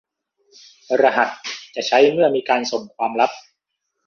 รหัสจะใช้เมื่อมีการส่งความลับ